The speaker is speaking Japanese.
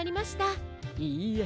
いいえ。